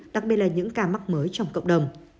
đặc biệt là những ca mắc mới trong cộng đồng